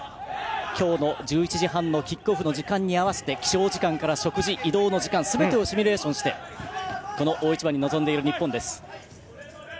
今日の１１時半のキックオフの時間に合わせて起床時間から食事、移動の時間すべてシミュレーションして大一番に臨んでいる日本。